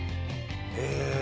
へえ。